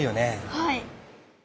はい。